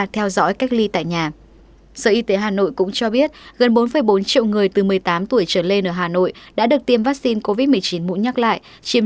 theo dõi cách ly tại nhà sở y tế hà nội cũng cho biết gần bốn bốn triệu người từ một mươi tám tuổi trở lên ở hà nội đã được tiêm vaccine covid một mươi chín mũi nhắc lại chiếm